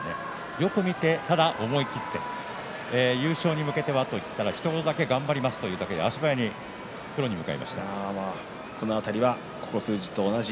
よく見て、ただ思い切って優勝に向けては？と言ったらひと言だけ頑張りますと言うだけでその辺りここ数日と同じ。